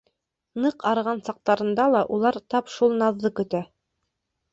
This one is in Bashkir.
Ныҡ арыған саҡтарында ла улар тап шул наҙҙы көтә.